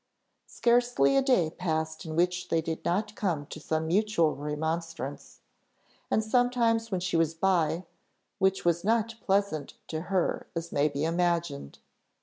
Scarcely a day passed in which they did not come to some mutual remonstrance; and sometimes when she was by, which was not pleasant to her, as may be imagined.